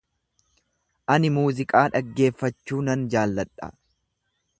Ani muuziqaa dhaggeeffachuu nan jaalladha.